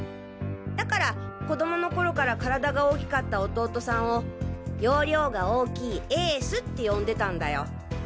だから子供の頃から体が大きかった弟さんを容量が大きい「エース」って呼んでたんだよ。